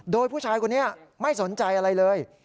โดยผู้ชายคนนี้ไม่สนใจอะไรเลย